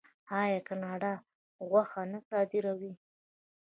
آیا کاناډا غوښه نه صادروي؟